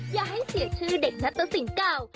อย่าให้เสียชื่อเด็กนัตตสินเก่า